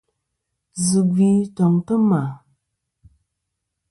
Zɨ gvi toŋtɨ ma.